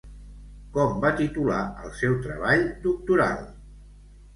Com va titular el seu treball doctoral?